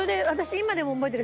今でも覚えてる。